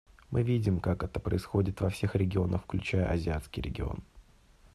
Мы видим, как это происходит во всех регионах, включая азиатский регион.